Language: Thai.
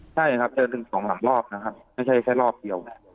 ใช่ครับเจอถึงสองสามรอบนะครับไม่ใช่แค่รอบเดียว